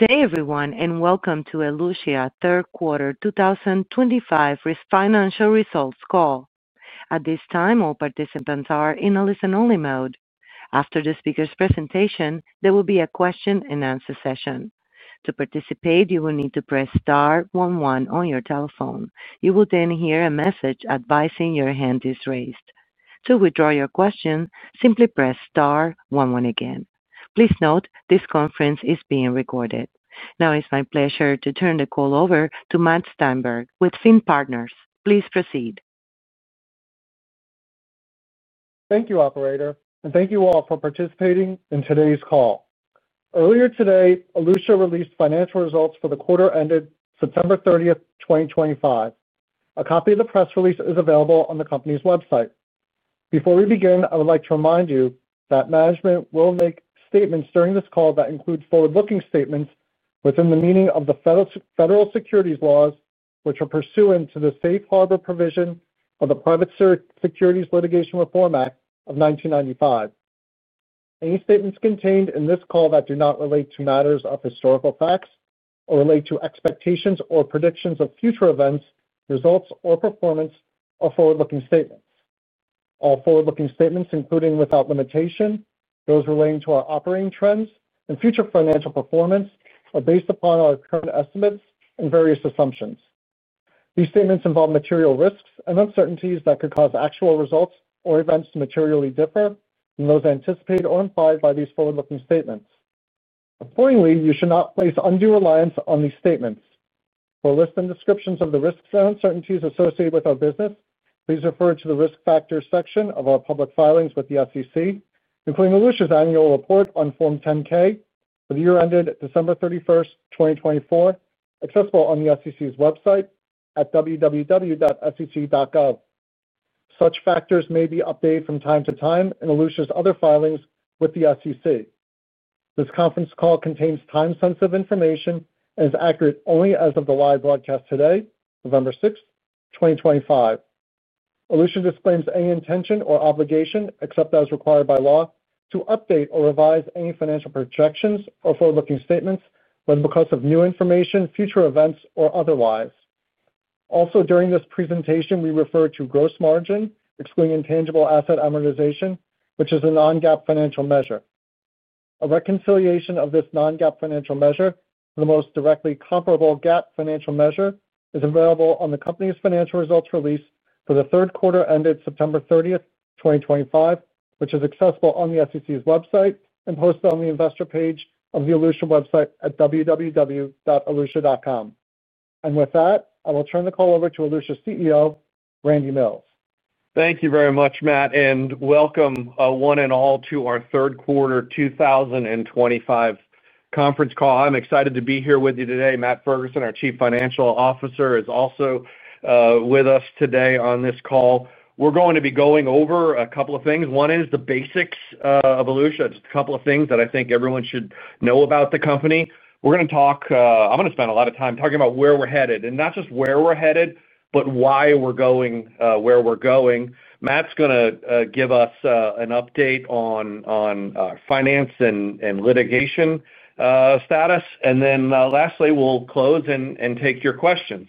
Today, everyone, and welcome to Elutia Q3 2025 earnings financial results call. At this time, all participants are in a listen-only mode. After the speaker's presentation, there will be a question-and-answer session. To participate, you will need to press star one one on your telephone. You will then hear a message advising your hand is raised. To withdraw your question, simply press star one one again. Please note this conference is being recorded. Now, it's my pleasure to turn the call over to Matt Steinberg with FINN Partners. Please proceed. Thank you, Operator, and thank you all for participating in today's call. Earlier today, Elutia released financial results for the quarter ended September 30th, 2025. A copy of the press release is available on the company's website. Before we begin, I would like to remind you that management will make statements during this call that include forward-looking statements within the meaning of the federal securities laws, which are pursuant to the safe harbor provision of the Private Securities Litigation Reform Act of 1995. Any statements contained in this call that do not relate to matters of historical facts or relate to expectations or predictions of future events, results, or performance are forward-looking statements. All forward-looking statements, including without limitation, those relating to our operating trends and future financial performance, are based upon our current estimates and various assumptions. These statements involve material risks and uncertainties that could cause actual results or events to materially differ from those anticipated or implied by these forward-looking statements. Accordingly, you should not place undue reliance on these statements. For lists and descriptions of the risks and uncertainties associated with our business, please refer to the risk factors section of our public filings with the SEC, including Elutia's annual report on Form 10-K for the year ended December 31st, 2024, accessible on the SEC's website at www.sec.gov. Such factors may be updated from time to time in Elutia's other filings with the SEC. This conference call contains time-sensitive information and is accurate only as of the live broadcast today, November 6, 2025. Elutia disclaims any intention or obligation, except as required by law, to update or revise any financial projections or forward-looking statements whether because of new information, future events, or otherwise. Also, during this presentation, we refer to gross margin, excluding intangible asset amortization, which is a non-GAAP financial measure. A reconciliation of this non-GAAP financial measure to the most directly comparable GAAP financial measure is available on the company's financial results release for the Q3 ended September 30th, 2025, which is accessible on the SEC's website and posted on the investor page of the Elutia website at www.elutia.com. With that, I will turn the call over to Elutia CEO Randal Mills. Thank you very much, Matt, and welcome one and all to our Q3 2025 conference call. I'm excited to be here with you today. Matt Ferguson, our Chief Financial Officer, is also with us today on this call. We're going to be going over a couple of things. One is the basics of Elutia. Just a couple of things that I think everyone should know about the company. I'm going to spend a lot of time talking about where we're headed, and not just where we're headed, but why we're going where we're going. Matt's going to give us an update on finance and litigation status. Lastly, we'll close and take your questions.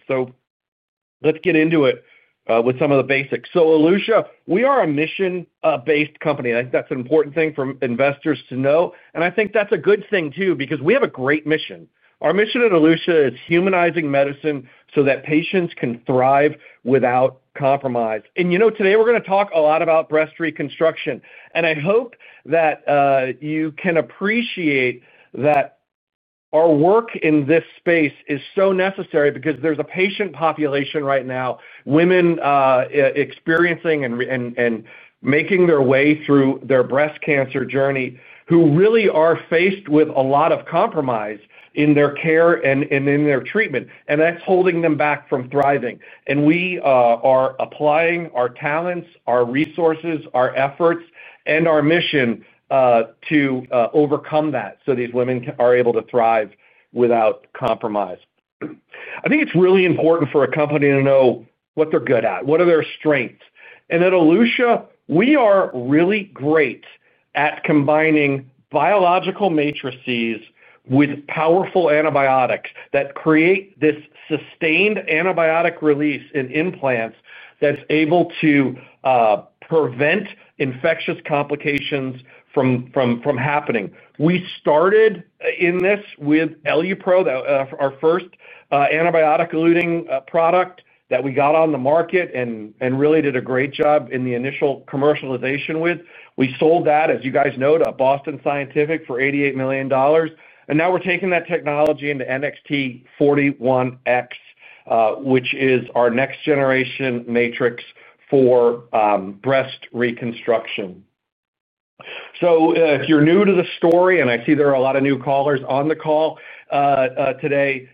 Let's get into it with some of the basics. Elutia, we are a mission-based company. I think that's an important thing for investors to know. I think that's a good thing too because we have a great mission. Our mission at Elutia is humanizing medicine so that patients can thrive without compromise. You know, today we're going to talk a lot about breast reconstruction. I hope that you can appreciate that our work in this space is so necessary because there's a patient population right now, women experiencing and making their way through their breast cancer journey, who really are faced with a lot of compromise in their care and in their treatment. That's holding them back from thriving. We are applying our talents, our resources, our efforts, and our mission to overcome that so these women are able to thrive without compromise. I think it's really important for a company to know what they're good at, what are their strengths. At Elutia, we are really great at combining biological matrices with powerful antibiotics that create this sustained antibiotic release in implants that's able to prevent infectious complications from happening. We started in this with Elupro, our first antibiotic-eluting product that we got on the market and really did a great job in the initial commercialization with. We sold that, as you guys know, to Boston Scientific for $88 million. Now we're taking that technology into NXT-41x, which is our next-generation matrix for breast reconstruction. If you're new to the story, and I see there are a lot of new callers on the call today,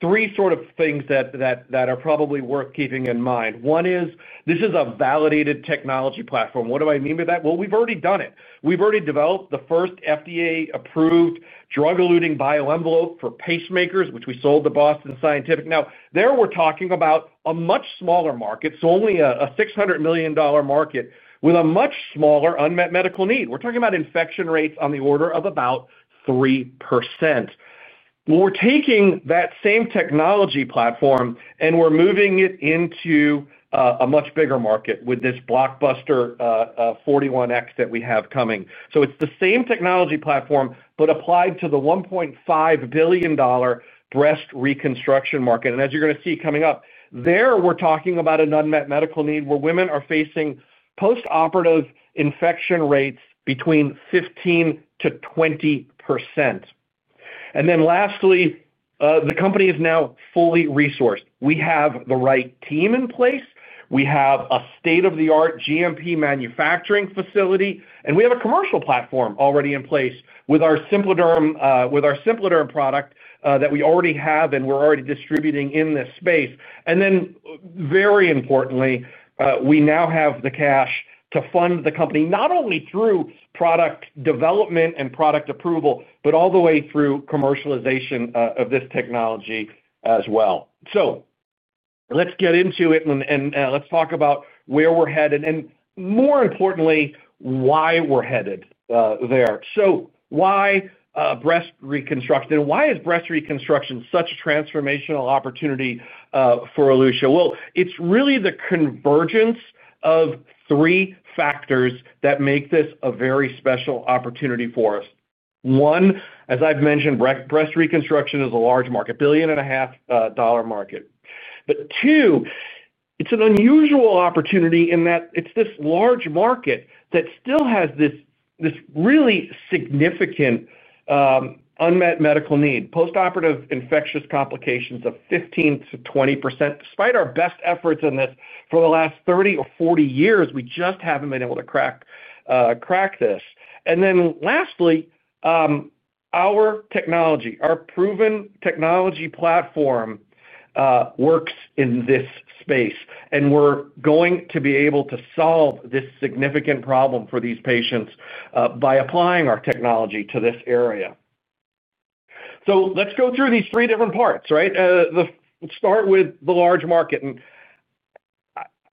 three sort of things that are probably worth keeping in mind. One is this is a validated technology platform. What do I mean by that? We've already done it. We've already developed the first FDA-approved drug-eluting bio-envelope for pacemakers, which we sold to Boston Scientific. Now, there we're talking about a much smaller market, so only a $600 million market, with a much smaller unmet medical need. We're talking about infection rates on the order of about 3%. We're taking that same technology platform, and we're moving it into a much bigger market with this blockbuster 41x that we have coming. It's the same technology platform, but applied to the $1.5 billion breast reconstruction market. As you're going to see coming up, there we're talking about an unmet medical need where women are facing post-operative infection rates between 15%-20%. Lastly, the company is now fully resourced. We have the right team in place. We have a state-of-the-art GMP manufacturing facility. We have a commercial platform already in place with our SimpliDerm product that we already have and we're already distributing in this space. Very importantly, we now have the cash to fund the company, not only through product development and product approval, but all the way through commercialization of this technology as well. Let's get into it, and let's talk about where we're headed and, more importantly, why we're headed there. Why breast reconstruction? Why is breast reconstruction such a transformational opportunity for Elutia? It's really the convergence of three factors that make this a very special opportunity for us. One, as I've mentioned, breast reconstruction is a large market, a $1.5 billion market. Two, it's an unusual opportunity in that it's this large market that still has this really significant unmet medical need, post-operative infectious complications of 15%-20%. Despite our best efforts in this for the last 30 or 40 years, we just haven't been able to crack this. Lastly, our technology, our proven technology platform, works in this space. We're going to be able to solve this significant problem for these patients by applying our technology to this area. Let's go through these three different parts, right? Let's start with the large market.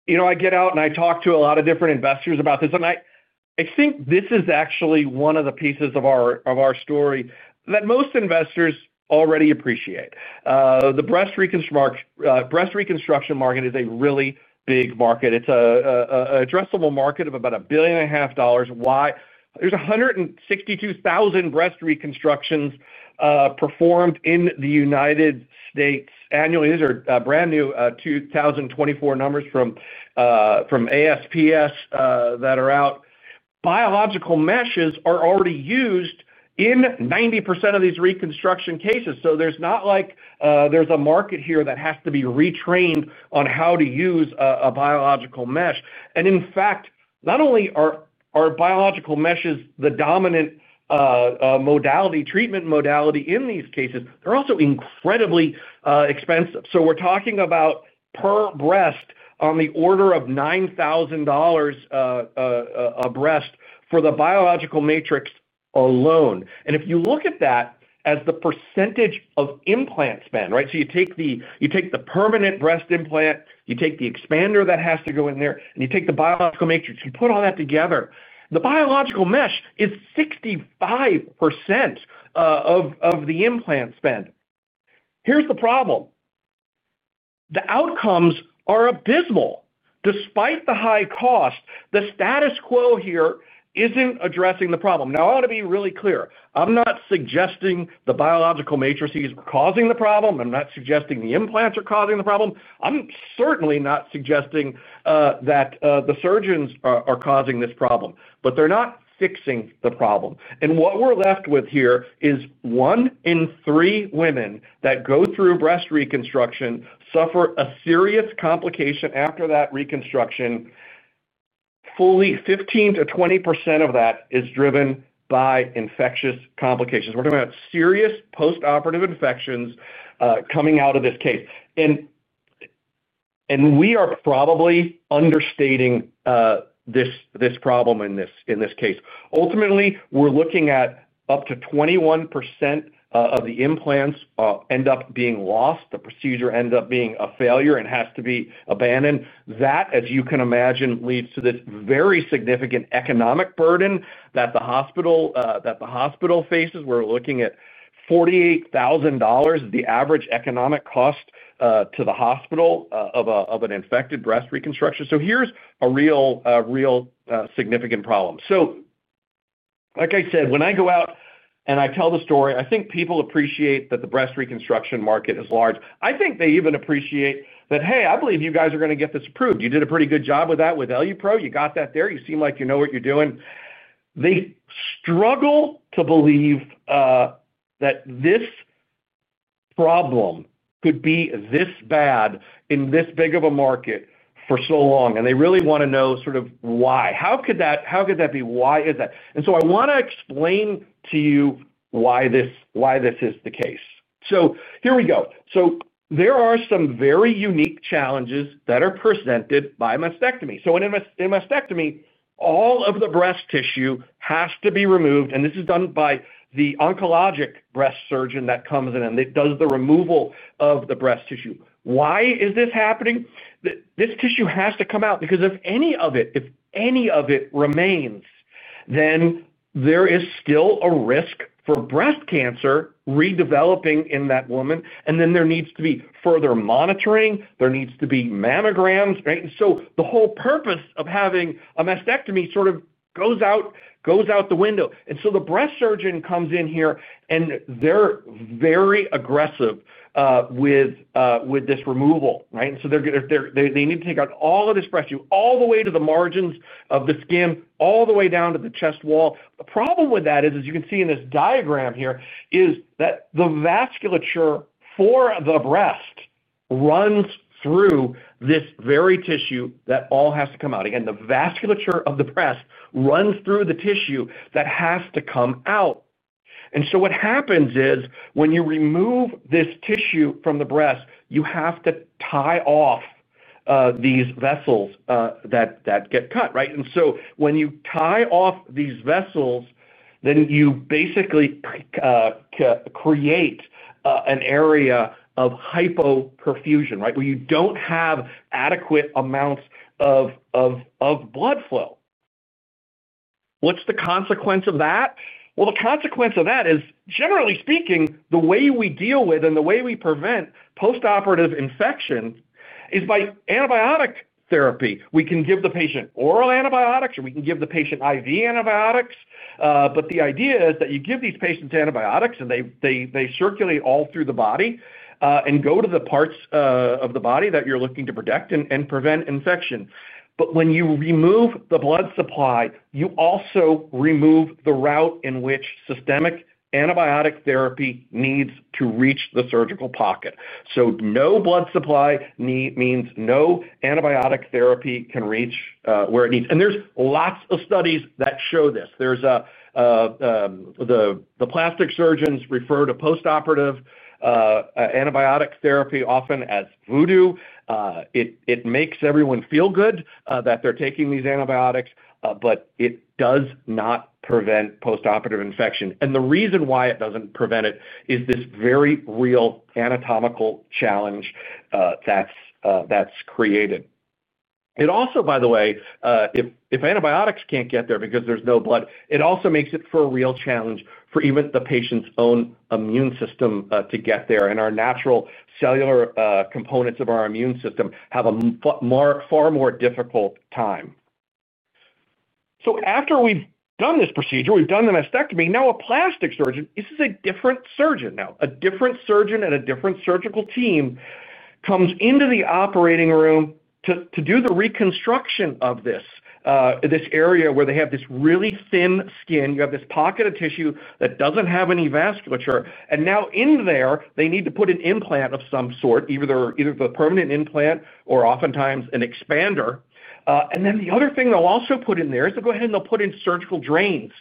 You know, I get out and I talk to a lot of different investors about this. I think this is actually one of the pieces of our story that most investors already appreciate. The breast reconstruction market is a really big market. It's an addressable market of about $1.5 billion. Why? There are 162,000 breast reconstructions performed in the United States annually. These are brand new 2024 numbers from ASPS that are out. Biological meshes are already used in 90% of these reconstruction cases. There is not like there is a market here that has to be retrained on how to use a biological mesh. In fact, not only are biological meshes the dominant treatment modality in these cases, they are also incredibly expensive. We are talking about per breast on the order of $9,000 a breast for the biological matrix alone. If you look at that as the percentage of implant spend, right, you take the permanent breast implant, you take the expander that has to go in there, and you take the biological matrix and put all that together, the biological mesh is 65% of the implant spend. Here is the problem. The outcomes are abysmal. Despite the high cost, the status quo here is not addressing the problem. Now, I want to be really clear. I'm not suggesting the biological matrices are causing the problem. I'm not suggesting the implants are causing the problem. I'm certainly not suggesting that the surgeons are causing this problem, but they're not fixing the problem. What we're left with here is one in three women that go through breast reconstruction suffer a serious complication after that reconstruction. Fully, 15%-20% of that is driven by infectious complications. We're talking about serious post-operative infections coming out of this case. We are probably understating this problem in this case. Ultimately, we're looking at up to 21% of the implants end up being lost. The procedure ends up being a failure and has to be abandoned. That, as you can imagine, leads to this very significant economic burden that the hospital faces. We're looking at $48,000, the average economic cost to the hospital of an infected breast reconstruction. Here's a real significant problem. Like I said, when I go out and I tell the story, I think people appreciate that the breast reconstruction market is large. I think they even appreciate that, "Hey, I believe you guys are going to get this approved. You did a pretty good job with that with Elupro. You got that there. You seem like you know what you're doing." They struggle to believe that this problem could be this bad in this big of a market for so long. They really want to know sort of why. How could that be? Why is that? I want to explain to you why this is the case. Here we go. There are some very unique challenges that are presented by mastectomy. In mastectomy, all of the breast tissue has to be removed. This is done by the oncologic breast surgeon that comes in and does the removal of the breast tissue. Why is this happening? This tissue has to come out because if any of it remains, then there is still a risk for breast cancer redeveloping in that woman. There needs to be further monitoring. There need to be mammograms, right? The whole purpose of having a mastectomy sort of goes out the window. The breast surgeon comes in here, and they are very aggressive with this removal, right? They need to take out all of this breast tissue, all the way to the margins of the skin, all the way down to the chest wall. The problem with that, as you can see in this diagram here, is that the vasculature for the breast. Runs through this very tissue that all has to come out. Again, the vasculature of the breast runs through the tissue that has to come out. What happens is when you remove this tissue from the breast, you have to tie off these vessels that get cut, right? When you tie off these vessels, then you basically create an area of hypoperfusion, right, where you do not have adequate amounts of blood flow. What is the consequence of that? The consequence of that is, generally speaking, the way we deal with and the way we prevent post-operative infection is by antibiotic therapy. We can give the patient oral antibiotics, or we can give the patient IV antibiotics. The idea is that you give these patients antibiotics, and they circulate all through the body and go to the parts of the body that you're looking to protect and prevent infection. When you remove the blood supply, you also remove the route in which systemic antibiotic therapy needs to reach the surgical pocket. No blood supply means no antibiotic therapy can reach where it needs. There are lots of studies that show this. The plastic surgeons refer to post-operative antibiotic therapy often as voodoo. It makes everyone feel good that they're taking these antibiotics, but it does not prevent post-operative infection. The reason why it doesn't prevent it is this very real anatomical challenge that's created. It also, by the way, if antibiotics can't get there because there's no blood, it also makes it a real challenge for even the patient's own immune system to get there. And our natural cellular components of our immune system have a far more difficult time. After we've done this procedure, we've done the mastectomy, now a plastic surgeon, this is a different surgeon now. A different surgeon and a different surgical team comes into the operating room to do the reconstruction of this area where they have this really thin skin. You have this pocket of tissue that doesn't have any vasculature. Now in there, they need to put an implant of some sort, either the permanent implant or oftentimes an expander. The other thing they'll also put in there is they'll go ahead and they'll put in surgical drains.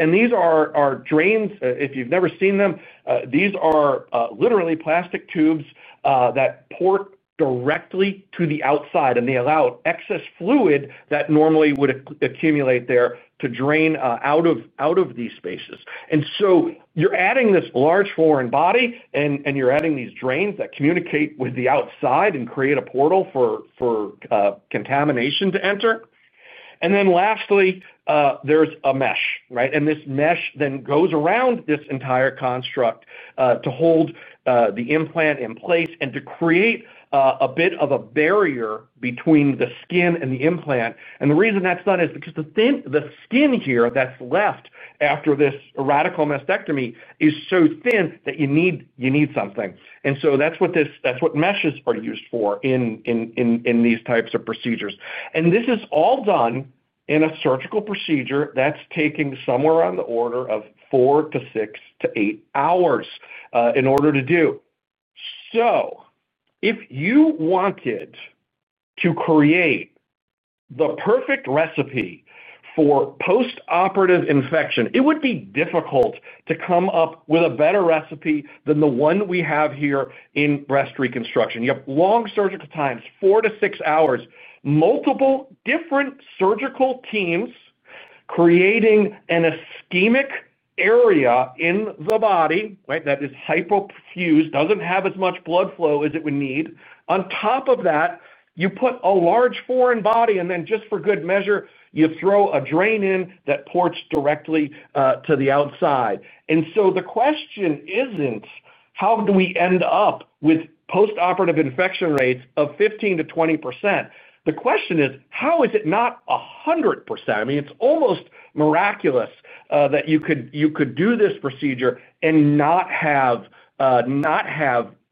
These are drains, if you've never seen them, these are literally plastic tubes that port directly to the outside. They allow excess fluid that normally would accumulate there to drain out of these spaces. You're adding this large foreign body, and you're adding these drains that communicate with the outside and create a portal for contamination to enter. Lastly, there's a mesh, right? This mesh then goes around this entire construct to hold the implant in place and to create a bit of a barrier between the skin and the implant. The reason that's done is because the skin here that's left after this radical mastectomy is so thin that you need something. That's what meshes are used for in these types of procedures. This is all done in a surgical procedure that is taking somewhere on the order of four to six to eight hours in order to do. If you wanted to create the perfect recipe for post-operative infection, it would be difficult to come up with a better recipe than the one we have here in breast reconstruction. You have long surgical times, four to six hours, multiple different surgical teams. Creating an ischemic area in the body, right, that is hypoperfused, does not have as much blood flow as it would need. On top of that, you put a large foreign body, and then just for good measure, you throw a drain in that ports directly to the outside. The question is not, how do we end up with post-operative infection rates of 15%-20%? The question is, how is it not 100%? I mean, it's almost miraculous that you could do this procedure and not have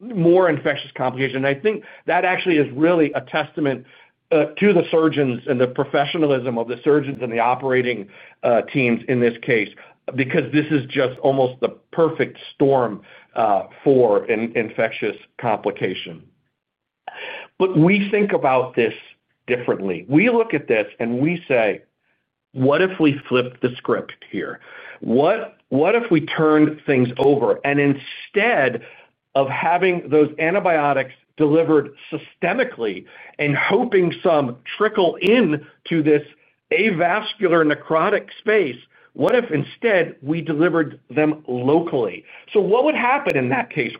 more infectious complications. I think that actually is really a testament to the surgeons and the professionalism of the surgeons and the operating teams in this case because this is just almost the perfect storm for an infectious complication. We think about this differently. We look at this and we say, what if we flip the script here? What if we turned things over? Instead of having those antibiotics delivered systemically and hoping some trickle into this avascular necrotic space, what if instead we delivered them locally? What would happen in that case?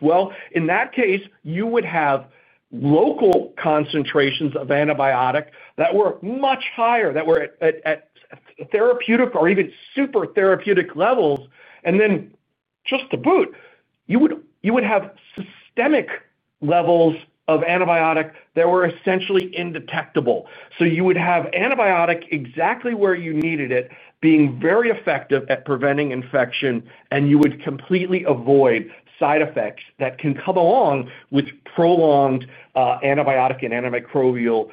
In that case, you would have local concentrations of antibiotic that were much higher, that were at therapeutic or even super therapeutic levels. Just to boot, you would have systemic levels of antibiotic that were essentially indetectable. You would have antibiotic exactly where you needed it, being very effective at preventing infection, and you would completely avoid side effects that can come along with prolonged antibiotic and antimicrobial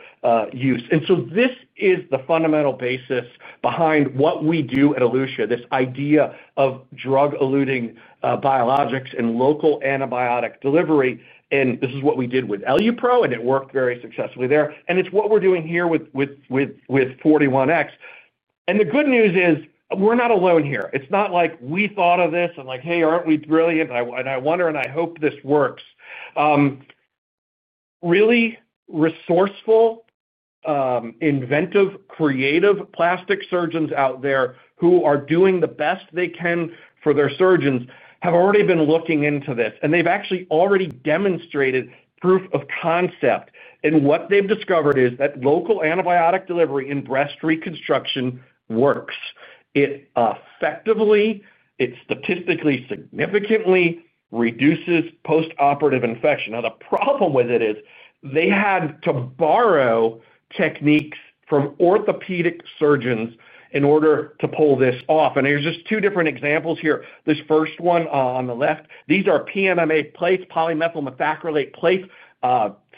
use. This is the fundamental basis behind what we do at Elutia, this idea of drug-eluting biologics and local antibiotic delivery. This is what we did with EluPro, and it worked very successfully there. It is what we are doing here with 41x. The good news is we are not alone here. It is not like we thought of this and like, "Hey, aren't we brilliant? I wonder and I hope this works." Really resourceful, inventive, creative plastic surgeons out there who are doing the best they can for their surgeons have already been looking into this. They've actually already demonstrated proof of concept. What they've discovered is that local antibiotic delivery in breast reconstruction works. It effectively, it statistically significantly reduces post-operative infection. Now, the problem with it is they had to borrow techniques from orthopedic surgeons in order to pull this off. There are just two different examples here. This first one on the left, these are PMMA plates, polymethyl methacrylate plates.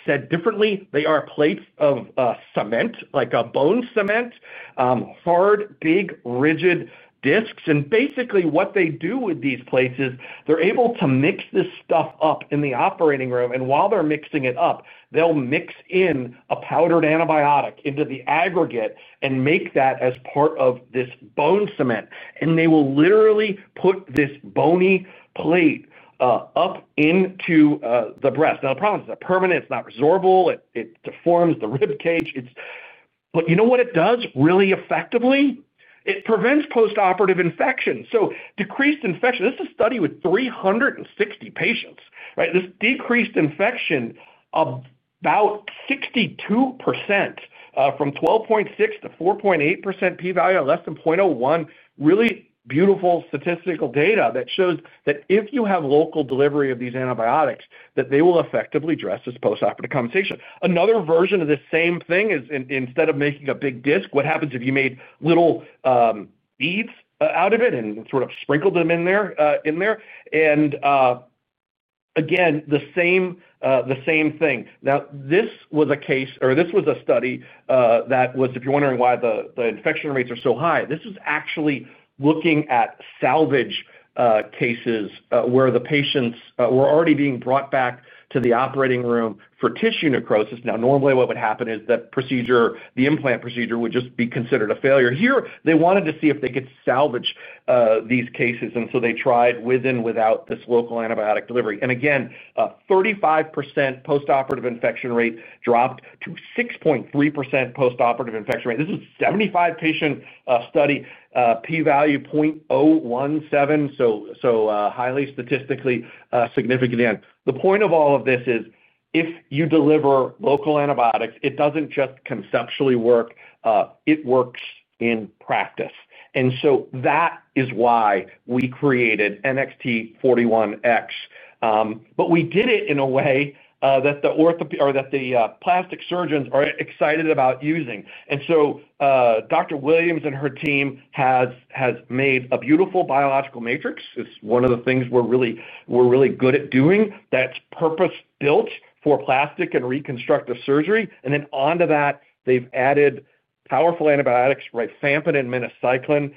Said differently, they are plates of cement, like a bone cement. Hard, big, rigid discs. Basically, what they do with these plates is they're able to mix this stuff up in the operating room. While they're mixing it up, they'll mix in a powdered antibiotic into the aggregate and make that as part of this bone cement. They will literally put this bony plate up into the breast. Now, the problem is it's permanent. It's not resorbable. It deforms the rib cage. You know what it does really effectively? It prevents post-operative infection. Decreased infection, this is a study with 360 patients, right? This decreased infection of about 62% from 12.6% to 4.8%, P-value of less than 0.01, really beautiful statistical data that shows that if you have local delivery of these antibiotics, they will effectively address this post-operative complication. Another version of the same thing is instead of making a big disc, what happens if you made little beads out of it and sort of sprinkled them in there? Again, the same thing. This was a case or this was a study that was, if you're wondering why the infection rates are so high, this was actually looking at salvage cases where the patients were already being brought back to the operating room for tissue necrosis. Now, normally what would happen is that the implant procedure would just be considered a failure. Here, they wanted to see if they could salvage these cases. They tried with and without this local antibiotic delivery. Again, a 35% post-operative infection rate dropped to 6.3% post-operative infection rate. This is a 75-patient study, P-value 0.017, so highly statistically significant. The point of all of this is if you deliver local antibiotics, it doesn't just conceptually work. It works in practice. That is why we created NXT-41x. We did it in a way that the plastic surgeons are excited about using. Dr. Williams and her team have made a beautiful biological matrix. It's one of the things we're really good at doing that's purpose-built for plastic and reconstructive surgery. Onto that, they've added powerful antibiotics, rifampin and minocycline.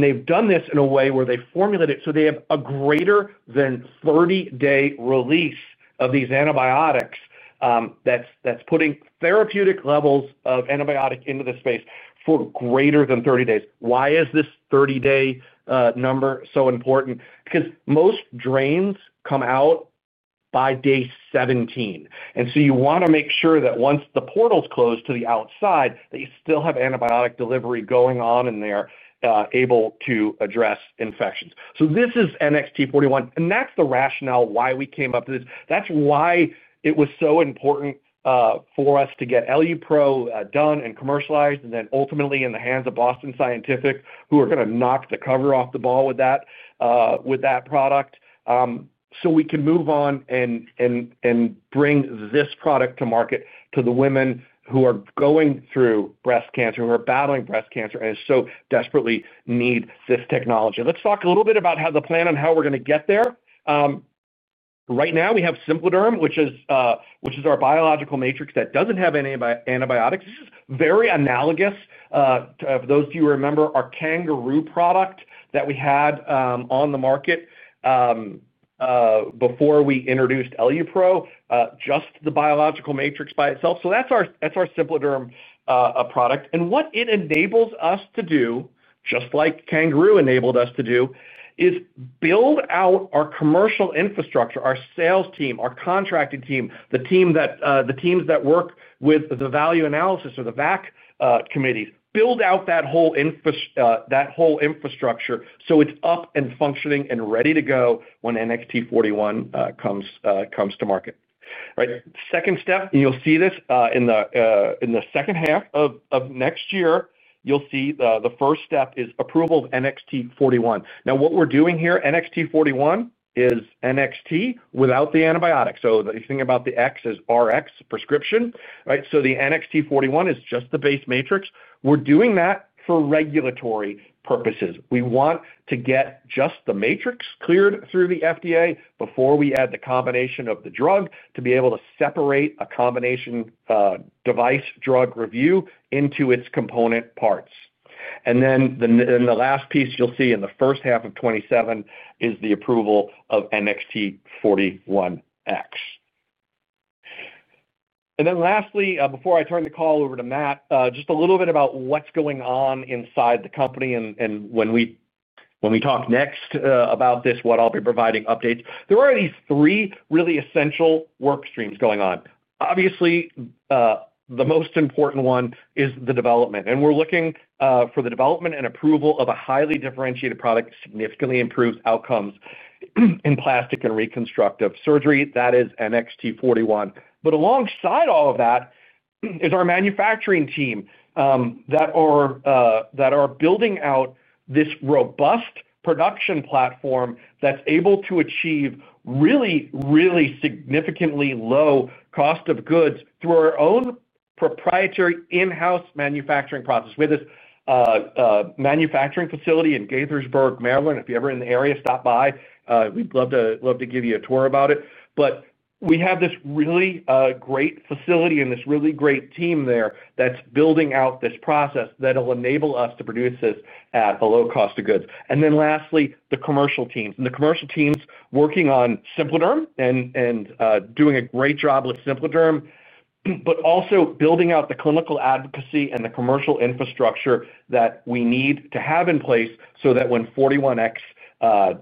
They've done this in a way where they formulate it so they have a greater than 30-day release of these antibiotics that's putting therapeutic levels of antibiotic into the space for greater than 30 days. Why is this 30-day number so important? Because most drains come out by day 17. You want to make sure that once the portal's closed to the outside, you still have antibiotic delivery going on and they're able to address infections. This is NXT-41. That's the rationale why we came up with this. That's why it was so important for us to get EluPro done and commercialized, and then ultimately in the hands of Boston Scientific, who are going to knock the cover off the ball with that product. We can move on. Bring this product to market to the women who are going through breast cancer, who are battling breast cancer and so desperately need this technology. Let's talk a little bit about the plan and how we're going to get there. Right now, we have SimpliDerm, which is our biological matrix that doesn't have antibiotics. This is very analogous to, if those of you remember, our CanGaroo product that we had on the market before we introduced EluPro, just the biological matrix by itself. So that's our SimpliDerm product. And what it enables us to do, just like CanGaroo enabled us to do, is build out our commercial infrastructure, our sales team, our contracting team, the teams that work with the value analysis or the VAC committees, build out that whole infrastructure so it's up and functioning and ready to go when NXT-41 comes to market. Right? Second step, and you'll see this in the second half of next year, you'll see the first step is approval of NXT-41. Now, what we're doing here, NXT-41 is NXT without the antibiotics. So the thing about the "x" is Rx prescription, right? So the NXT-41 is just the base matrix. We're doing that for regulatory purposes. We want to get just the matrix cleared through the FDA before we add the combination of the drug to be able to separate a combination device drug review into its component parts. And then the last piece you'll see in the first half of 2027 is the approval of NXT-41x. And then lastly, before I turn the call over to Matt, just a little bit about what's going on inside the company and when we. Talk next about this, what I'll be providing updates. There are these three really essential work streams going on. Obviously. The most important one is the development. And we're looking for the development and approval of a highly differentiated product that significantly improves outcomes in plastic and reconstructive surgery. That is NXT-41. But alongside all of that is our manufacturing team that are building out this robust production platform that's able to achieve really, really significantly low cost of goods through our own proprietary in-house manufacturing process. We have this manufacturing facility in Gaithersburg, Maryland. If you're ever in the area, stop by. We'd love to give you a tour about it. We have this really great facility and this really great team there that's building out this process that will enable us to produce this at a low cost of goods. And then lastly, the commercial teams. The commercial teams are working on SimpliDerm and doing a great job with SimpliDerm, but also building out the clinical advocacy and the commercial infrastructure that we need to have in place so that when 41x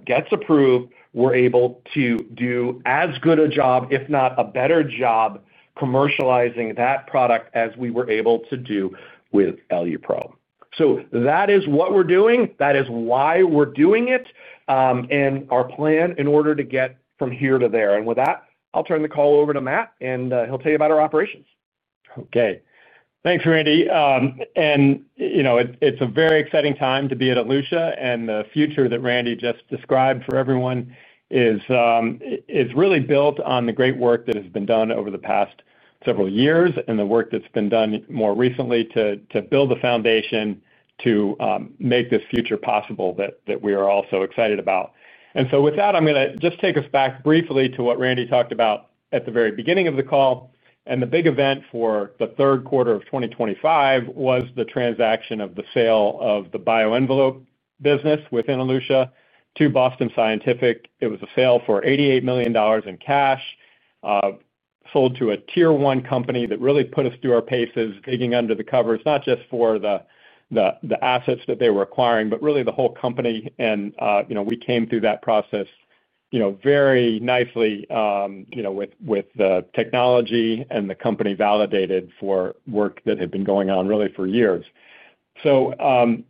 gets approved, we're able to do as good a job, if not a better job, commercializing that product as we were able to do with EluPro. That is what we're doing. That is why we're doing it. Our plan in order to get from here to there. With that, I'll turn the call over to Matt, and he'll tell you about our operations. Okay. Thanks, Randy. It's a very exciting time to be at Elutia. The future that Randy just described for everyone is. Really built on the great work that has been done over the past several years and the work that's been done more recently to build the foundation to make this future possible that we are all so excited about. With that, I'm going to just take us back briefly to what Randy talked about at the very beginning of the call. The big event for the third quarter of 2025 was the transaction of the sale of the BioEnvelope business within Elutia to Boston Scientific. It was a sale for $88 million in cash. Sold to a tier-one company that really put us through our paces, digging under the covers, not just for the assets that they were acquiring, but really the whole company. We came through that process very nicely. With the technology and the company validated for work that had been going on really for years. That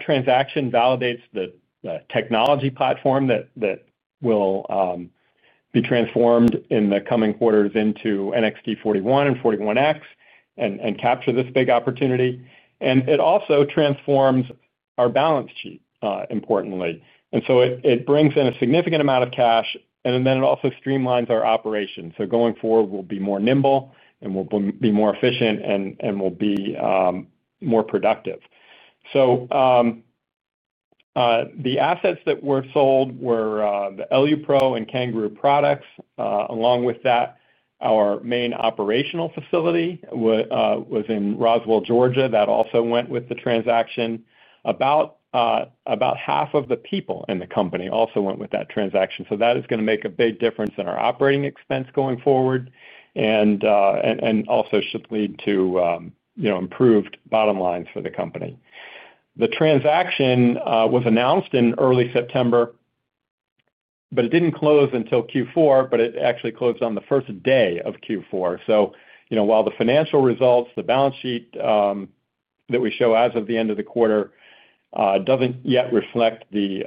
transaction validates the technology platform that will be transformed in the coming quarters into NXT-41 and 41x and capture this big opportunity. It also transforms our balance sheet, importantly. It brings in a significant amount of cash, and it also streamlines our operations. Going forward, we'll be more nimble, and we'll be more efficient, and we'll be more productive. The assets that were sold were the EluPro and CanGaroo products. Along with that, our main operational facility was in Roswell, Georgia. That also went with the transaction. About half of the people in the company also went with that transaction. That is going to make a big difference in our operating expense going forward. It also should lead to. Improved bottom lines for the company. The transaction was announced in early September. It did not close until Q4, but it actually closed on the first day of Q4. While the financial results, the balance sheet that we show as of the end of the quarter, does not yet reflect the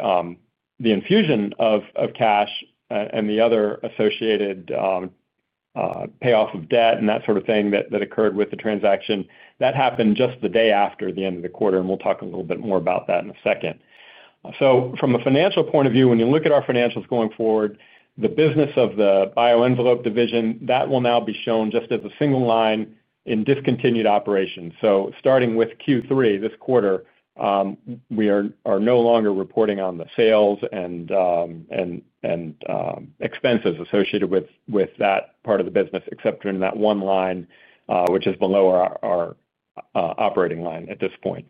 infusion of cash and the other associated payoff of debt and that sort of thing that occurred with the transaction, that happened just the day after the end of the quarter. We will talk a little bit more about that in a second. From a financial point of view, when you look at our financials going forward, the business of the BioEnvelope division, that will now be shown just as a single line in discontinued operations. Starting with Q3 this quarter, we are no longer reporting on the sales and. Expenses associated with that part of the business, except in that one line, which is below our operating line at this point.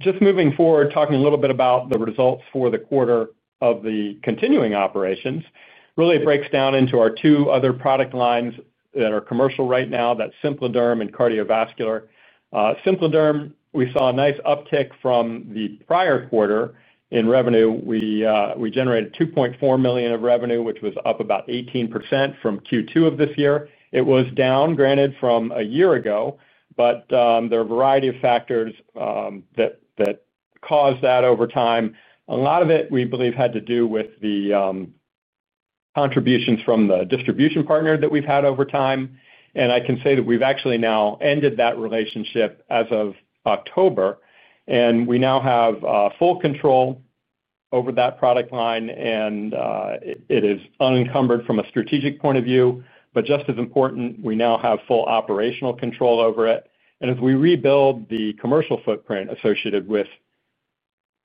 Just moving forward, talking a little bit about the results for the quarter of the continuing operations, really it breaks down into our two other product lines that are commercial right now, that's SimpliDerm and Cardiovascular. SimpliDerm, we saw a nice uptick from the prior quarter in revenue. We generated $2.4 million of revenue, which was up about 18% from Q2 of this year. It was down, granted, from a year ago, but there are a variety of factors that caused that over time. A lot of it, we believe, had to do with the contributions from the distribution partner that we've had over time. I can say that we've actually now ended that relationship as of October, and we now have full control. Over that product line. It is unencumbered from a strategic point of view. Just as important, we now have full operational control over it. As we rebuild the commercial footprint associated with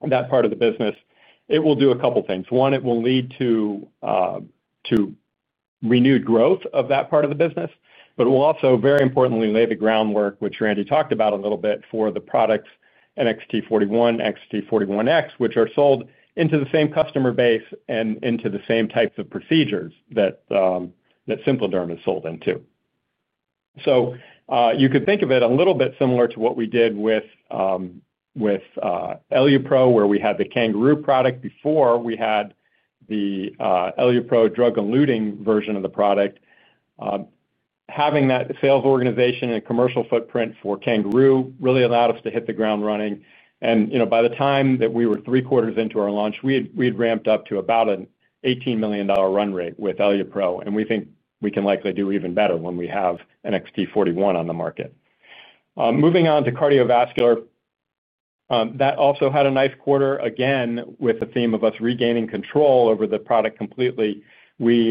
that part of the business, it will do a couple of things. One, it will lead to renewed growth of that part of the business, but it will also, very importantly, lay the groundwork, which Randy talked about a little bit, for the products NXT-41, NXT-41x, which are sold into the same customer base and into the same types of procedures that SimpliDerm is sold into. You could think of it a little bit similar to what we did with EluPro, where we had the CanGaroo product before we had the EluPro drug-eluting version of the product. Having that sales organization and commercial footprint for CanGaroo really allowed us to hit the ground running. By the time that we were three quarters into our launch, we had ramped up to about an $18 million run rate with EluPro. We think we can likely do even better when we have NXT-41 on the market. Moving on to Cardiovascular. That also had a nice quarter. Again, with the theme of us regaining control over the product completely, we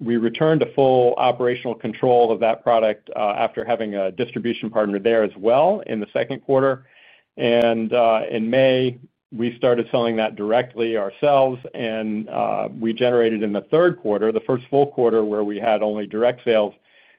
returned to full operational control of that product after having a distribution partner there as well in the second quarter. In May, we started selling that directly ourselves. We generated in the third quarter, the first full quarter where we had only direct sales,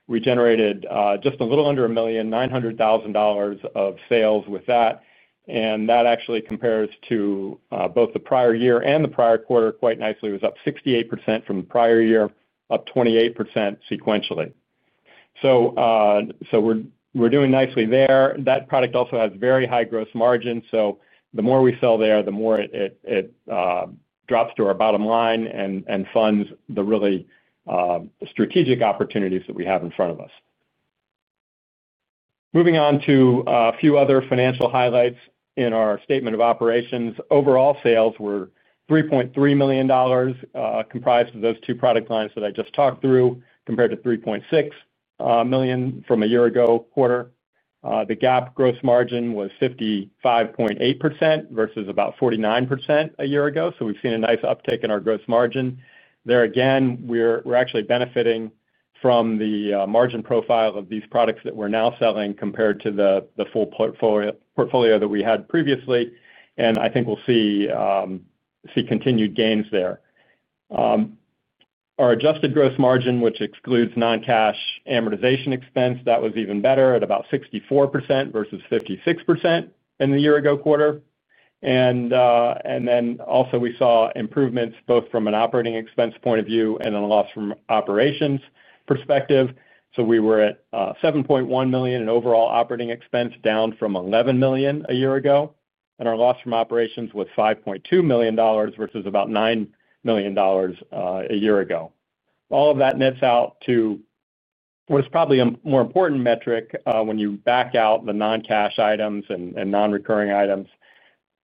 just a little under a million, $900,000 of sales with that. That actually compares to both the prior year and the prior quarter quite nicely. It was up 68% from the prior year, up 28% sequentially. We're doing nicely there. That product also has very high gross margins. The more we sell there, the more it drops to our bottom line and funds the really strategic opportunities that we have in front of us. Moving on to a few other financial highlights in our statement of operations. Overall sales were $3.3 million, comprised of those two product lines that I just talked through, compared to $3.6 million from a year ago quarter. The GAAP gross margin was 55.8% versus about 49% a year ago. We've seen a nice uptick in our gross margin. There again, we're actually benefiting from the margin profile of these products that we're now selling compared to the full portfolio that we had previously. I think we'll see continued gains there. Our adjusted gross margin, which excludes non-cash amortization expense, that was even better at about 64% versus 56% in the year-ago quarter. We also saw improvements both from an operating expense point of view and a loss from operations perspective. We were at $7.1 million in overall operating expense, down from $11 million a year ago. Our loss from operations was $5.2 million versus about $9 million a year ago. All of that nets out to what is probably a more important metric when you back out the non-cash items and non-recurring items.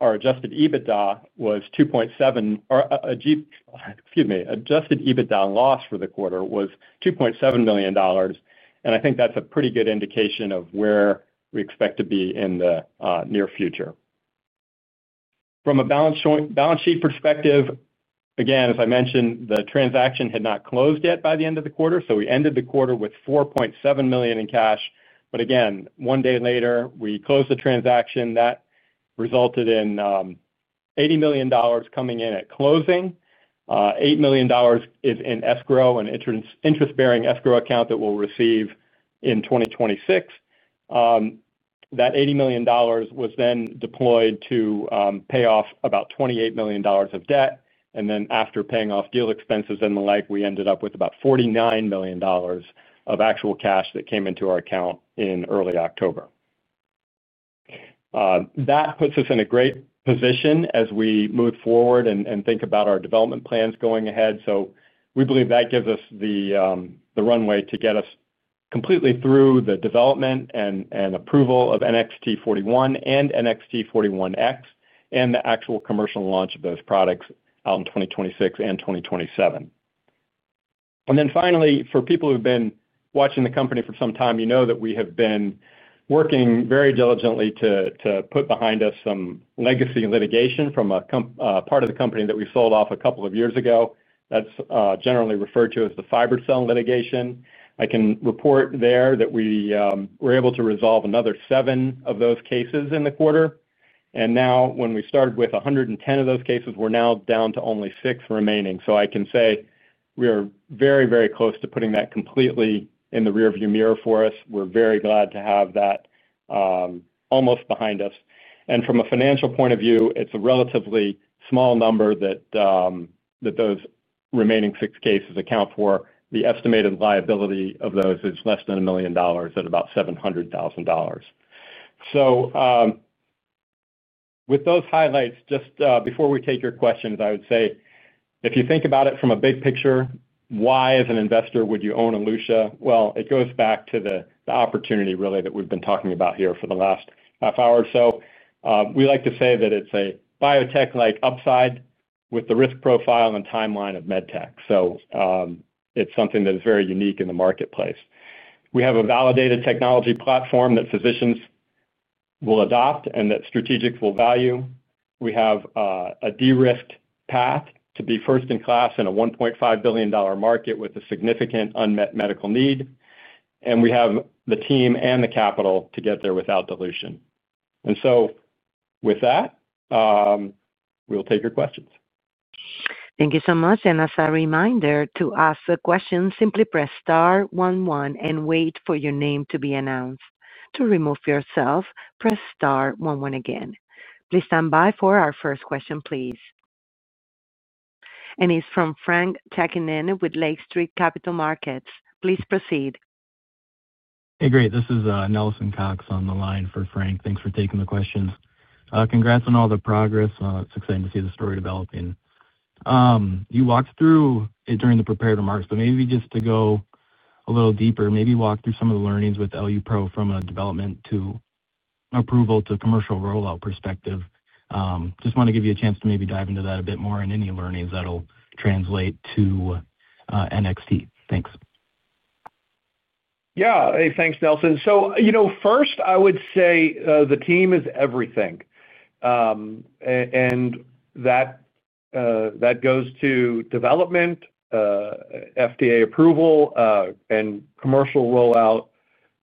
Our adjusted EBITDA was 2.7. Excuse me. Adjusted EBITDA loss for the quarter was $2.7 million. I think that's a pretty good indication of where we expect to be in the near future. From a balance sheet perspective, again, as I mentioned, the transaction had not closed yet by the end of the quarter. We ended the quarter with $4.7 million in cash. Again, one day later, we closed the transaction. That resulted in $80 million coming in at closing. $8 million is in escrow, an interest-bearing escrow account that we'll receive in 2026. That $80 million was then deployed to pay off about $28 million of debt. After paying off deal expenses and the like, we ended up with about $49 million of actual cash that came into our account in early October. That puts us in a great position as we move forward and think about our development plans going ahead. We believe that gives us the. Runway to get us completely through the development and approval of NXT-41 and NXT-41x and the actual commercial launch of those products out in 2026 and 2027. Finally, for people who've been watching the company for some time, you know that we have been working very diligently to put behind us some legacy litigation from a part of the company that we sold off a couple of years ago. That's generally referred to as the FiberCel litigation. I can report there that we were able to resolve another seven of those cases in the quarter. When we started with 110 of those cases, we're now down to only six remaining. I can say we are very, very close to putting that completely in the rearview mirror for us. We're very glad to have that almost behind us. From a financial point of view, it's a relatively small number that those remaining six cases account for. The estimated liability of those is less than a million dollars at about $700,000. With those highlights, just before we take your questions, I would say, if you think about it from a big picture, why, as an investor, would you own Elutia? It goes back to the opportunity, really, that we've been talking about here for the last half hour or so. We like to say that it's a biotech-like upside with the risk profile and timeline of medtech. It's something that is very unique in the marketplace. We have a validated technology platform that physicians will adopt and that strategics will value. We have a de-risked path to be first in class in a $1.5 billion market with a significant unmet medical need. We have the team and the capital to get there without dilution. With that, we'll take your questions. Thank you so much. As a reminder, to ask a question, simply press star one one and wait for your name to be announced. To remove yourself, press star one one again. Please stand by for our first question. It's from Frank Takkinen with Lake Street Capital Markets. Please proceed. Hey, great. This is Nelson Cox on the line for Frank. Thanks for taking the questions. Congrats on all the progress. It's exciting to see the story developing. You walked through it during the prepared remarks, but maybe just to go a little deeper, maybe walk through some of the learnings with EluPro from a development to approval to commercial rollout perspective. Just want to give you a chance to maybe dive into that a bit more and any learnings that'll translate to NXT. Thanks. Yeah. Hey, thanks, Nelson. First, I would say the team is everything. That goes to development, FDA approval, and commercial rollout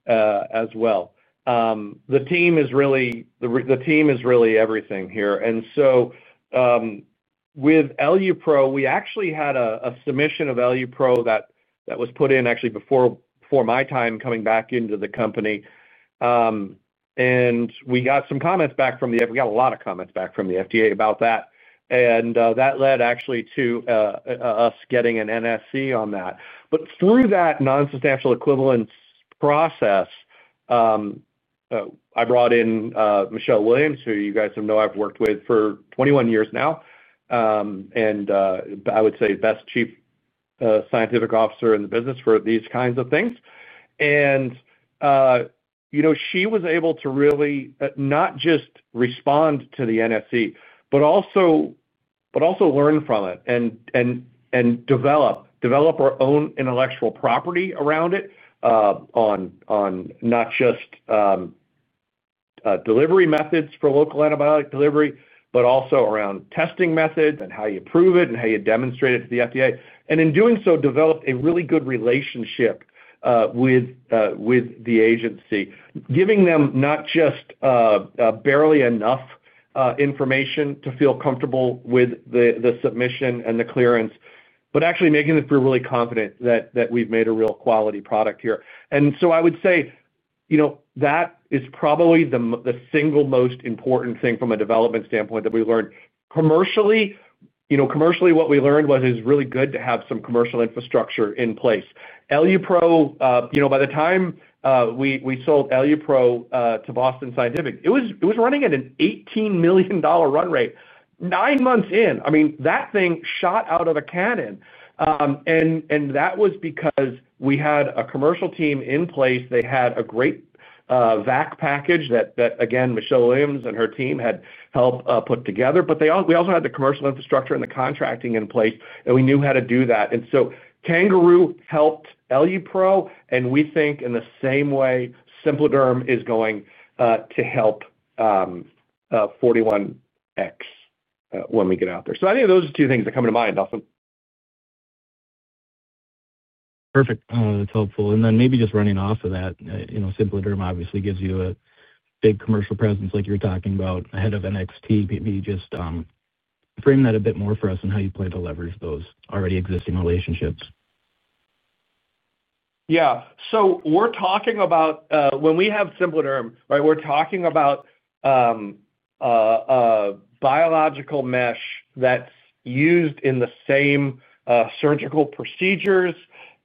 as well. The team is really everything here. With EluPro, we actually had a submission of EluPro that was put in actually before my time coming back into the company. We got some comments back from the—we got a lot of comments back from the FDA about that. That led actually to us getting an NSE on that. Through that non-substantial equivalence process, I brought in Michelle Williams, who you guys know I've worked with for 21 years now. I would say best Chief Scientific Officer in the business for these kinds of things. She was able to really not just respond to the NSE, but also learn from it and develop our own intellectual property around it. Not just delivery methods for local antibiotic delivery, but also around testing methods and how you prove it and how you demonstrate it to the FDA. In doing so, developed a really good relationship with the agency, giving them not just barely enough information to feel comfortable with the submission and the clearance, but actually making them feel really confident that we've made a real quality product here. I would say that is probably the single most important thing from a development standpoint that we learned. Commercially, what we learned was it's really good to have some commercial infrastructure in place. EluPro, by the time we sold EluPro to Boston Scientific, it was running at an $18 million run rate. Nine months in, I mean, that thing shot out of a cannon. That was because we had a commercial team in place. They had a great VAC package that, again, Michelle Williams and her team had helped put together. We also had the commercial infrastructure and the contracting in place, and we knew how to do that. CanGaroo helped EluPro, and we think in the same way SimpliDerm is going to help 41x when we get out there. I think those are two things that come to mind, Nelson. Perfect. That's helpful. Maybe just running off of that, SimpliDerm obviously gives you a big commercial presence like you were talking about ahead of NXT. Maybe just frame that a bit more for us and how you plan to leverage those already existing relationships. Yeah. We're talking about when we have SimpliDerm, right, we're talking about a biological mesh that's used in the same surgical procedures.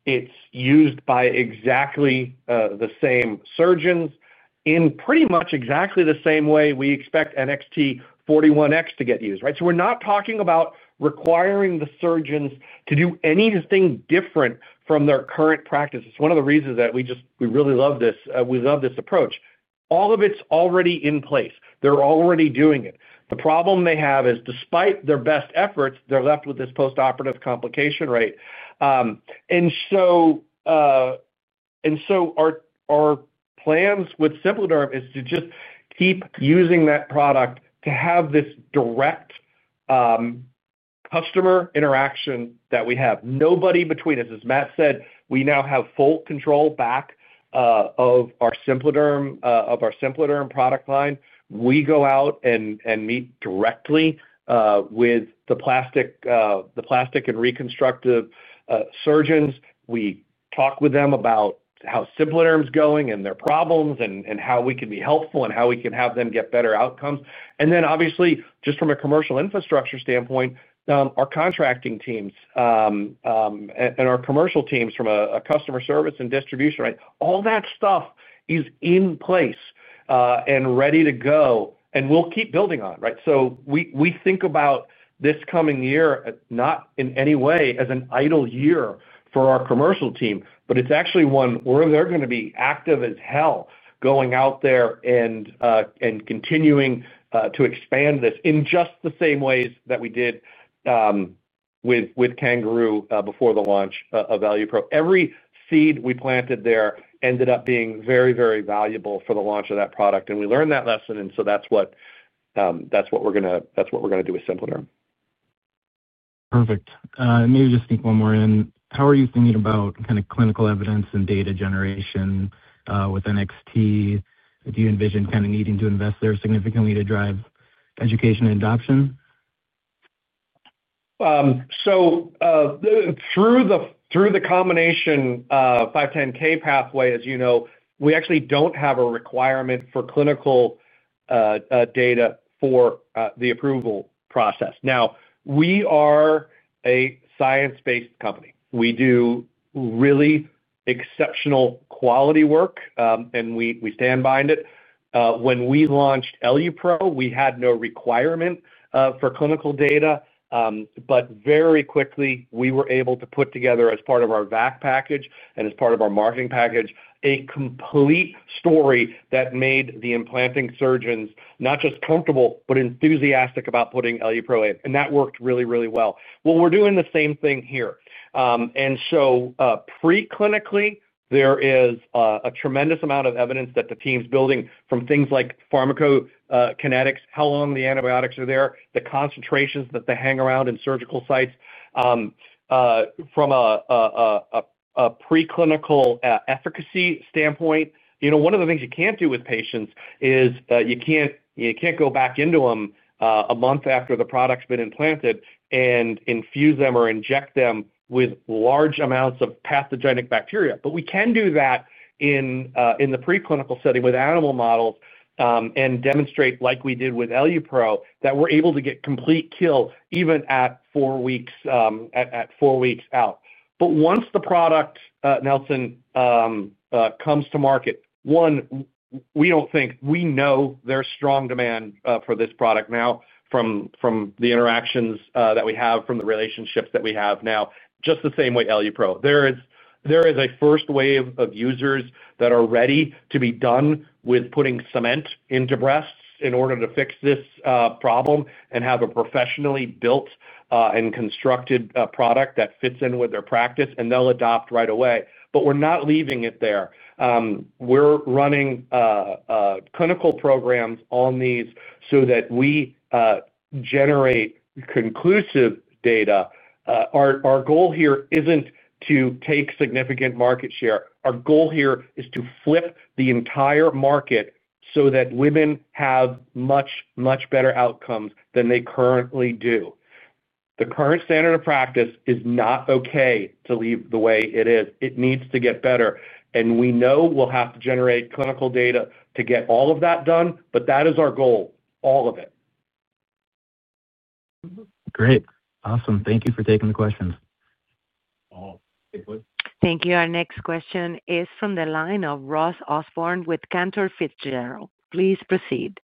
It's used by exactly the same surgeons in pretty much exactly the same way we expect NXT-41x to get used, right? We're not talking about requiring the surgeons to do anything different from their current practices. One of the reasons that we really love this, we love this approach, all of it's already in place. They're already doing it. The problem they have is, despite their best efforts, they're left with this post-operative complication rate. Our plans with SimpliDerm is to just keep using that product to have this direct customer interaction that we have. Nobody between us. As Matt said, we now have full control back of our SimpliDerm product line. We go out and meet directly with the plastic. We talk with reconstructive surgeons about how SimpliDerm's going and their problems and how we can be helpful and how we can have them get better outcomes. Obviously, just from a commercial infrastructure standpoint, our contracting teams and our commercial teams from a customer service and distribution, right, all that stuff is in place and ready to go, and we'll keep building on, right? We think about this coming year not in any way as an idle year for our commercial team, but it's actually one where they're going to be active as hell going out there and continuing to expand this in just the same ways that we did with CanGaroo before the launch of EluPro. Every seed we planted there ended up being very, very valuable for the launch of that product. We learned that lesson, and so that's what. We're going to—that's what we're going to do with SimpliDerm. Perfect. Maybe just squeeze one more in. How are you thinking about kind of clinical evidence and data generation with NXT? Do you envision kind of needing to invest there significantly to drive education and adoption? Through the combination 510(k) pathway, as you know, we actually don't have a requirement for clinical data for the approval process. Now, we are a science-based company. We do really exceptional quality work, and we stand behind it. When we launched EluPro, we had no requirement for clinical data, but very quickly, we were able to put together, as part of our VAC package and as part of our marketing package, a complete story that made the implanting surgeons not just comfortable, but enthusiastic about putting EluPro in. That worked really, really well. We're doing the same thing here. Pre-clinically, there is a tremendous amount of evidence that the team's building from things like pharmacokinetics, how long the antibiotics are there, the concentrations that they hang around in surgical sites. From a pre-clinical efficacy standpoint, one of the things you can't do with patients is you can't go back into them a month after the product's been implanted and infuse them or inject them with large amounts of pathogenic bacteria. We can do that in the pre-clinical setting with animal models and demonstrate, like we did with EluPro, that we're able to get complete kill even at four weeks out. Once the product, Nelson, comes to market, one, we know there's strong demand for this product now from the interactions that we have, from the relationships that we have now, just the same way EluPro. There is a first wave of users that are ready to be done with putting cement into breasts in order to fix this problem and have a professionally built and constructed product that fits in with their practice, and they'll adopt right away. We are not leaving it there. We are running clinical programs on these so that we generate conclusive data. Our goal here is not to take significant market share. Our goal here is to flip the entire market so that women have much, much better outcomes than they currently do. The current standard of practice is not okay to leave the way it is. It needs to get better. We know we will have to generate clinical data to get all of that done, but that is our goal, all of it. Great. Awesome. Thank you for taking the questions. Thank you. Our next question is from the line of Ross Osborn with Cantor Fitzgerald. Please proceed.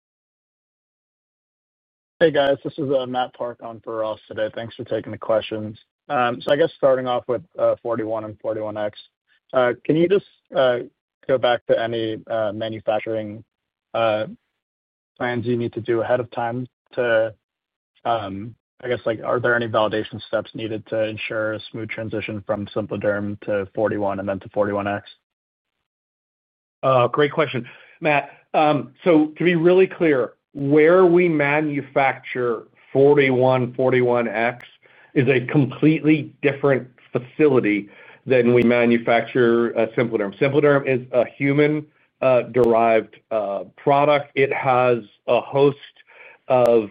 Hey, guys. This is Matt Park on for Ross today. Thanks for taking the questions. I guess starting off with 41 and 41x, can you just go back to any manufacturing plans you need to do ahead of time to, I guess, are there any validation steps needed to ensure a smooth transition from SimpliDerm to 41 and then to 41x? Great question, Matt. To be really clear, where we manufacture 41, 41x is a completely different facility than we manufacture SimpliDerm. SimpliDerm is a human-derived product. It has a host of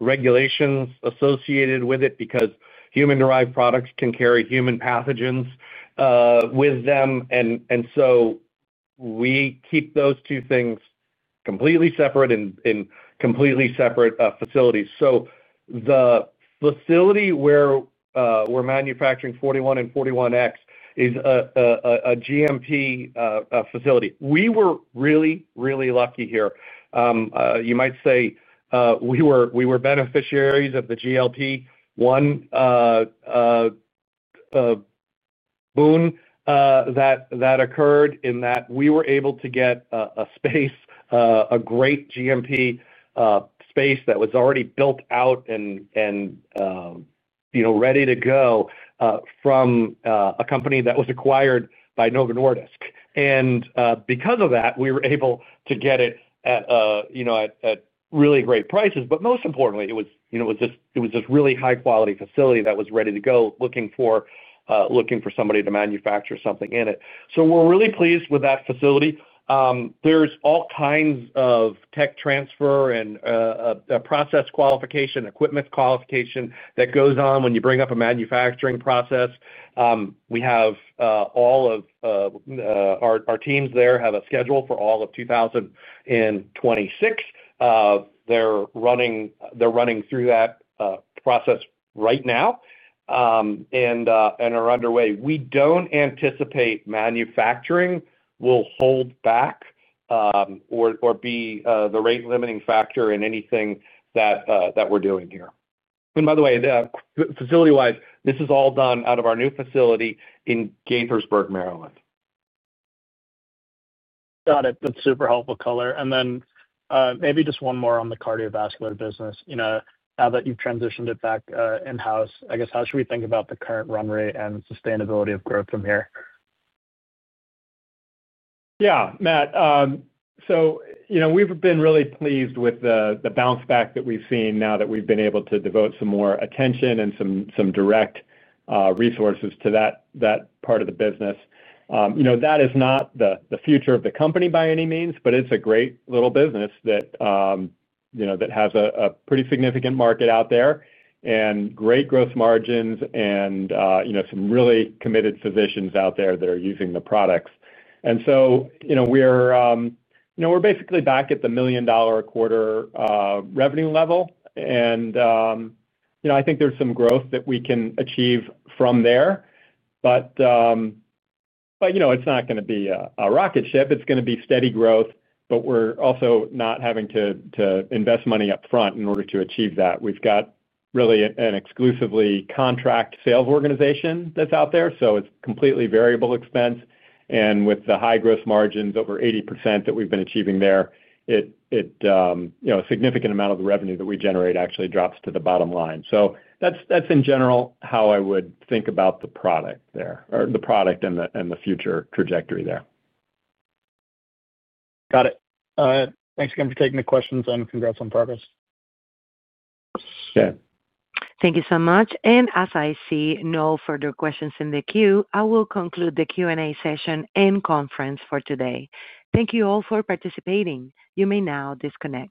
regulations associated with it because human-derived products can carry human pathogens with them. We keep those two things completely separate in completely separate facilities. The facility where we're manufacturing 41 and 41x is. A GMP facility. We were really, really lucky here. You might say. We were beneficiaries of the GLP-1 boom that occurred in that we were able to get a space, a great GMP space that was already built out and ready to go from a company that was acquired by Novo Nordisk. And because of that, we were able to get it at really great prices. Most importantly, it was just a really high-quality facility that was ready to go, looking for somebody to manufacture something in it. We are really pleased with that facility. There is all kinds of tech transfer and process qualification, equipment qualification that goes on when you bring up a manufacturing process. We have all of our teams there have a schedule for all of 2026. They are running through that process right now and are underway. We do not anticipate manufacturing will hold back. Or be the rate-limiting factor in anything that we're doing here. By the way, facility-wise, this is all done out of our new facility in Gaithersburg, Maryland. Got it. That's super helpful color. Maybe just one more on the cardiovascular business. Now that you've transitioned it back in-house, I guess, how should we think about the current run rate and sustainability of growth from here? Yeah, Matt. We've been really pleased with the bounce back that we've seen now that we've been able to devote some more attention and some direct resources to that part of the business. That is not the future of the company by any means, but it's a great little business that has a pretty significant market out there and great gross margins and some really committed physicians out there that are using the products. We are basically back at the million-dollar-a-quarter revenue level. I think there is some growth that we can achieve from there. It is not going to be a rocket ship. It is going to be steady growth, but we are also not having to invest money upfront in order to achieve that. We have really an exclusively contract sales organization that is out there. It is completely variable expense. With the high gross margins over 80% that we have been achieving there, a significant amount of the revenue that we generate actually drops to the bottom line. That is, in general, how I would think about the product there or the product and the future trajectory there. Got it. Thanks again for taking the questions, and congrats on progress. Thank you so much. As I see no further questions in the queue, I will conclude the Q&A session and conference for today. Thank you all for participating. You may now disconnect.